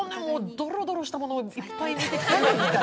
ドロドロしたものをいっぱい見てきたから。